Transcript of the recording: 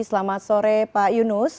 selamat sore pak yunus